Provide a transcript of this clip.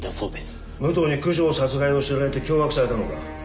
武藤に九条殺害を知られて脅迫されたのか？